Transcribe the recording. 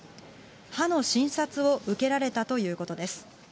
歯の診察を受けられたということです。